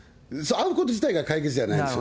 会うこと自体が解決じゃないですよ。